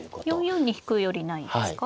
４四に引くよりないですか。